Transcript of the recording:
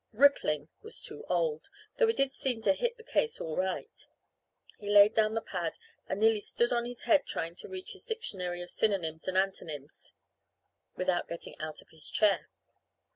"Rippling" was too old, though it did seem to hit the case all right. He laid down the pad and nearly stood on his head trying to reach his Dictionary of Synonyms and Antonyms without getting out of his chair.